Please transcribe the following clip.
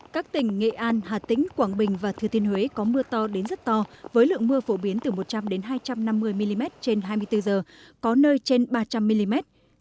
các tỉnh nghệ an hà tĩnh quảng bình và thừa thiên huế có mưa to đến rất to với lượng mưa phổ biến từ một trăm linh hai trăm năm mươi mm trên hai mươi bốn h có nơi trên ba trăm linh mm